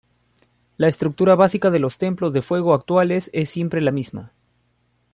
La estructura básica de los templos de fuego actuales es siempre la misma.